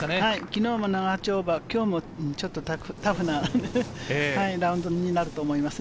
昨日も長丁場、今日もちょっとタフなラウンドになっていると思います。